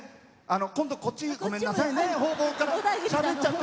こっち、ごめんなさいね。